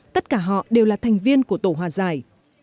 tất cả họ đều là thành viên của tổ hòa giải